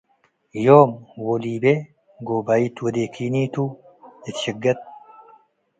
ዮም ዎ ሊቤ ጎባይት ወዴኪኒ ቱ እት ሽገት